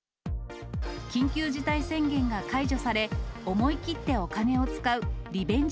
緊急事態宣言が解除され、思い切ってお金を使うリベンジ